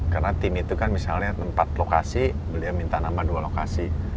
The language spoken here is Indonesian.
karena tim itu kan misalnya empat lokasi beliau minta nambah dua lokasi